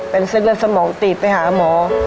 เป็นซึ่งแล้วสมองติดไปหาหมอ